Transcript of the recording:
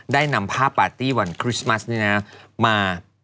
ได้นำภาพปาร์ตี้วันคริสมัสเนี่ยนะฮะมา